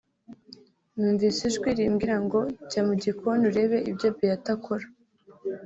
numvise ijwi rimbwira ngo jya mu gikoni urebe ibyo Beatha akora